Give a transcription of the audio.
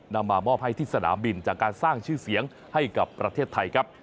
นำมามอบให้ที่สนามบินจากการสร้างชื่อเสียงให้กับประเทศไทยครับ